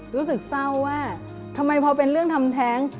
รู้สึกเศร้าว่าทำไมพอเป็นเรื่องทำแท้ง